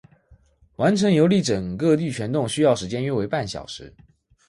完成游历整个玉泉洞需要时间为约半小时。